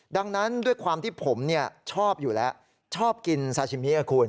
ดังนั้นด้วยความที่ผมชอบอยู่แล้วชอบกินซาชิมิคุณ